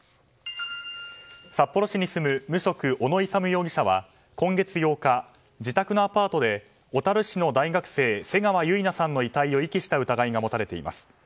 札幌市に住む無職小野勇容疑者は今月８日、自宅のアパートで小樽市の大学生瀬川結菜さんの遺体を遺棄した疑いが持たれています。